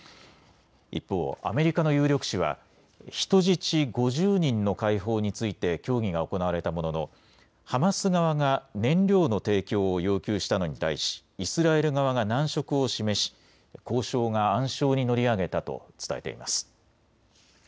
一方、アメリカの有力紙は人質５０人の解放について協議が行われたもののハマス側が燃料の提供を要求したのに対しイスラエル側が難色を示し交渉が暗礁に乗り上げたと伝えています。